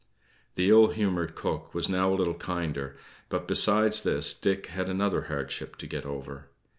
The ill humored cook was now a little kinder; but, besides this, Dick had another hardship to get over.